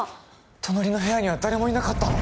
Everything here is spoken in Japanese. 隣の部屋には誰もいなかったの？